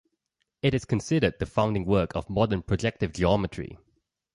It is considered the founding work of modern projective geometry.